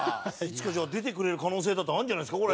いつか出てくれる可能性だってあるんじゃないですか？